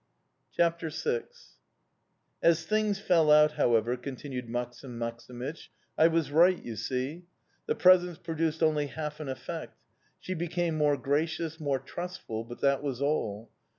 CHAPTER VI "AS things fell out, however," continued Maksim Maksimych, "I was right, you see. The presents produced only half an effect. She became more gracious more trustful but that was all.